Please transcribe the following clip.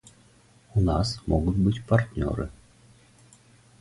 У нас могут быть партнеры.